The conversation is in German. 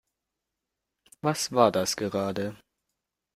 Was war das gerade?